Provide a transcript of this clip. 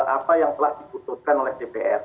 apa yang telah diputuskan oleh dpr